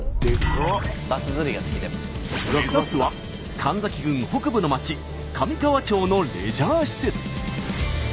目指すは神崎郡北部の町神河町のレジャー施設。